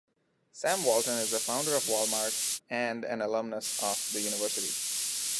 Sam Walton is the founder of Wal-Mart and an alumnus of the University.